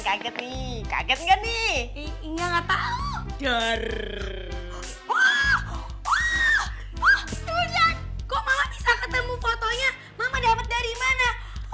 kaget nih kaget enggak nih enggak enggak tahu joror kok bisa ketemu fotonya mama dapat dari mana